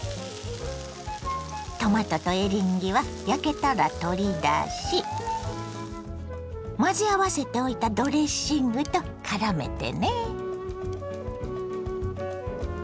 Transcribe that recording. トマトとエリンギは焼けたら取り出し混ぜ合わせておいたドレッシングとからめてね。